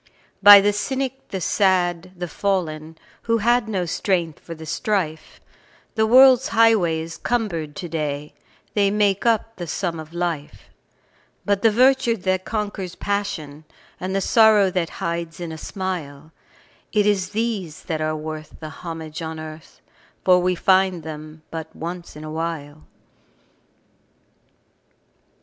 By the cynic, the sad, the fallen, Who had no strength for the strife, The world's highway is cumbered to day They make up the sum of life; But the virtue that conquers passion, And the sorrow that hides in a smile It is these that are worth the homage on earth, For we find them but once in a while.